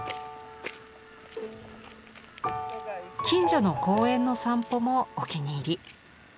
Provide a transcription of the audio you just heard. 近所の公園の散歩もお気に入り。